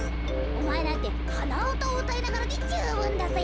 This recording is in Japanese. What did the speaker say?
おまえなんてはなうたをうたいながらでじゅうぶんだぜ。